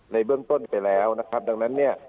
ในเบื้องต้นไปแล้วนะครับดังนั้นเนี่ย